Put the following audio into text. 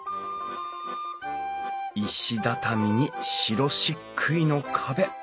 石畳に白しっくいの壁。